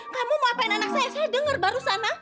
kamu mau apain anak saya saya denger barusan